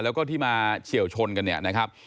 แล้วก็ที่มาเฉียวชนกันเนี่ยนะครับ